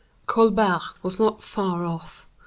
Colbert was not far off.